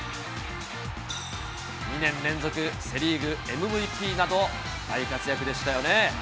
２年連続セ・リーグＭＶＰなど、大活躍でしたよね。